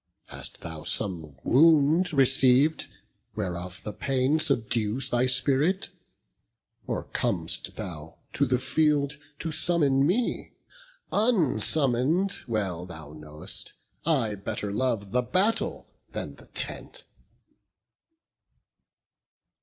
Hast thou some wound receiv'd, whereof the pain Subdues thy spirit? or com'st thou, to the field To summon me? unsummon'd, well thou know'st I better love the battle than the tent."